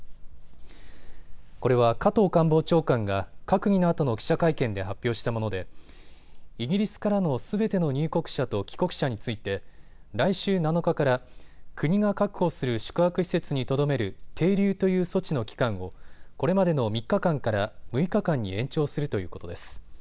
これは加藤官房長官が閣議のあとの記者会見で発表したものでイギリスからのすべての入国者と帰国者について来週７日から国が確保する宿泊施設にとどめる停留という措置の期間をこれまでの３日間から６日間に延長するということです。